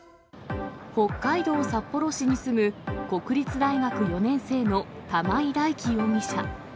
北海道札幌市に住む国立大学４年生の玉井大貴容疑者。